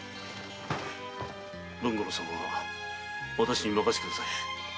文五郎さんはわたしに任せてください。